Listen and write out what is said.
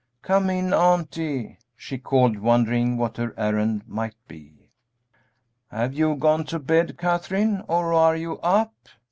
"Come in, auntie," she called, wondering what her errand might be. "Have you gone to bed, Katherine, or are you up?"